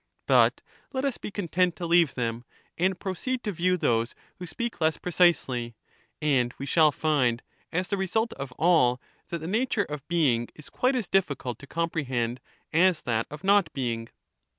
But let us be content to leave them, and proceed to view those who speak less precisely; and we shall find as the result of all, that the 246 nature of being is quite as difficult to comprehend as that of not being.